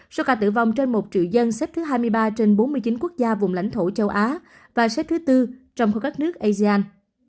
số ca tử vong trên một triệu dân xếp thứ hai mươi ba trên bốn mươi chín quốc gia vùng lãnh thổ châu á và xếp thứ tư trong khối các nước asean